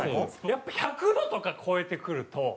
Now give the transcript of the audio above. やっぱ１００度とか超えてくると。